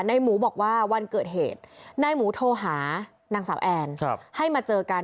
หมูบอกว่าวันเกิดเหตุนายหมูโทรหานางสาวแอนให้มาเจอกัน